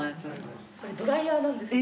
これドライヤーなんですか。